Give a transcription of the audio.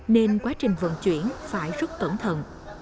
nên quá trình vận chuyển phải rất cẩn thận